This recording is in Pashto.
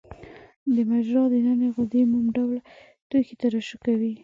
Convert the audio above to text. د مجرا د نني غدې موم ډوله توکي ترشح کوي.